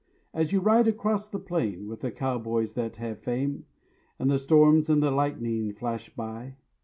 As you ride across the plain With the cowboys that have fame, And the storms and the lightning flash by.